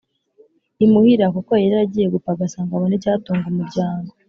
Imuhira kuko yari yaragiye gupagasa ngo abone icyatunga umuryango